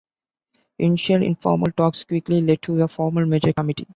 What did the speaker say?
Initial informal talks quickly led to a formal merger committee.